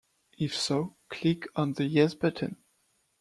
If so, click on the Yes button.